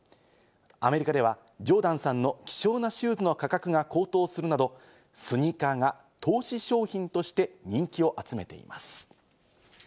アメリカではジョーダンさんの貴重なシューズの価格が高騰するなど、スニーカーが投資商品として人気を集めています。